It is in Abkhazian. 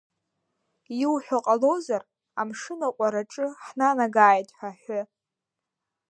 Иуҳәо ҟалозар, амшын аҟәараҿы ҳнанагааит ҳәа ҳәы!